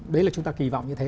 đấy là chúng ta kỳ vọng như thế